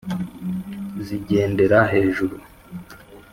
zigendera hejuru,